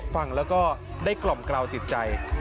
ฟังแล้วก็ได้กล่อมกล่าวจิตใจ